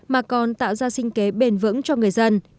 mà còn tạo ra sinh kế bền vững cho người dân